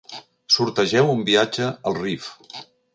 Sortegeu un viatge al Rif.